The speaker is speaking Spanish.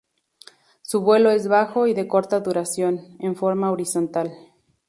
Su vuelo es bajo y de corta duración, en forma horizontal.